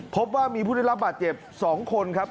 พบว่ามีผู้ได้รับบาดเจ็บ๒คนครับ